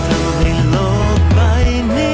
เหมือนหัวใจเธอคนนี้